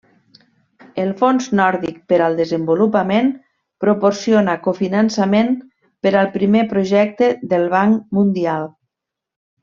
El Fons Nòrdic per al Desenvolupament proporciona cofinançament per al primer projecte del Banc Mundial.